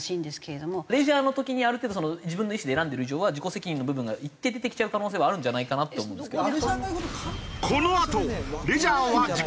レジャーの時にある程度自分の意思で選んでいる以上は自己責任の部分が一定出てきちゃう可能性はあるんじゃないかなって思うんですけど。